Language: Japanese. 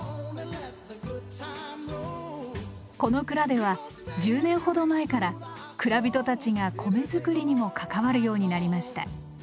この蔵では１０年ほど前から蔵人たちが米作りにも関わるようになりました。